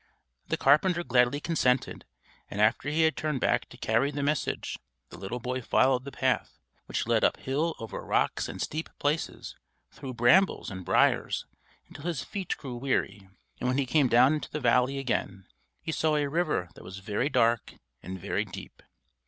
The carpenter gladly consented; and after he had turned back to carry the message, the little boy followed the path, which led up hill over rocks and steep places, through brambles and briars, until his feet grew weary; and when he came down into the valley again, he saw a river that was very dark and very deep.